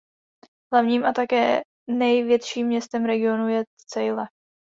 Hlavním a také největším městem regionu je Celje.